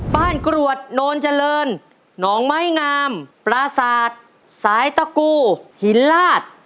กรวดโนนเจริญหนองไม้งามปราศาสตร์สายตะกูหินลาด